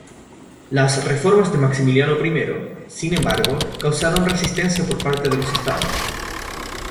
Las reformas de Maximiliano I, sin embargo, causaron resistencia por parte de los estados.